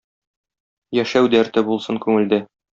Яшәү дәрте булсын күңелдә.